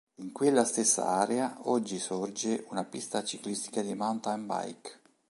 In quella stessa area oggi sorge una pista ciclistica di Mountain Bike.